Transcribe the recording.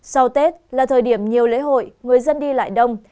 sau tết là thời điểm nhiều lễ hội người dân đi lại đông